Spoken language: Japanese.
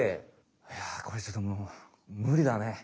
いやこれちょっともうむりだね。